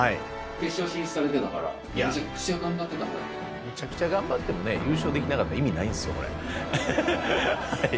決勝進出されてたから、むちゃくちゃ頑張ってもね、優勝できなかったら、意味ないんすよ、これ、はい。